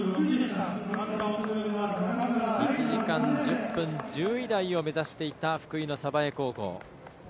１時間１０分１０台を目指していた福江の鯖江高校。